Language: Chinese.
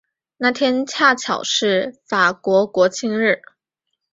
那天恰巧是法国国庆日。